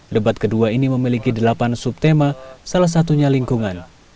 debat kedua ini memiliki delapan subtema salah satunya lingkungan